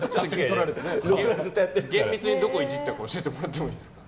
厳密にどこをいじってたか教えてもらっていいですか。